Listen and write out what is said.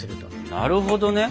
なるほどね。